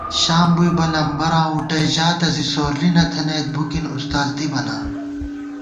شام بُوئیبہ لمبَراں وُٹئ ژاتہ زی سورلی نَتھنَئیت بُکِن استاذ دِبہ نا